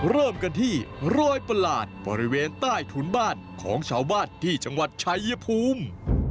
เริ่มกันที่รอยประหลาดบริเวณใต้ถุนบ้านของชาวบ้านที่จังหวัดชัยภูมิ